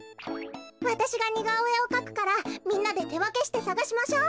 わたしがにがおえをかくからみんなでてわけしてさがしましょう。